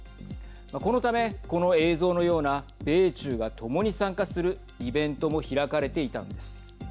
このため、この映像のような米中が共に参加するイベントも開かれていたのです。